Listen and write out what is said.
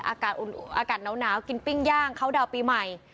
อากาศอุ่นอุ่นอากาศนาวกินปิ้งย่างเค้าเดาปีใหม่